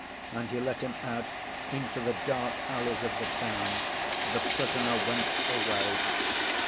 And he let Him out into the dark alleys of the town. The Prisoner went away."